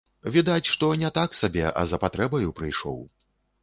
Відаць, што не так сабе, а за патрэбаю прыйшоў.